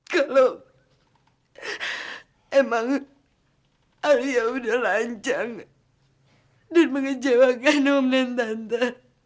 kalau emang alia udah lancang dan mengecewakan om dan tante